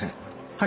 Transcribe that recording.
はい。